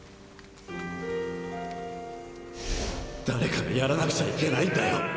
誰かがやらなくちゃいけないんだよ！！